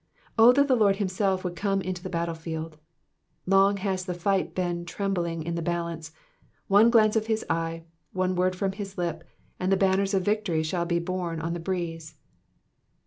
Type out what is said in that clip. O that the Lord himself would come into the battle field. Long has the fight been trembliug in the balance ; one glance of his eye, one word from his lip, and the banners of victory shall be borne on the breeze.